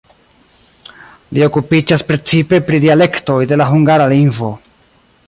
Li okupiĝas precipe pri dialektoj de la hungara lingvo.